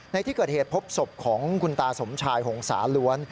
ในที่เกิดเหตุพบศพของคุณตาสมชายหงษาล้วน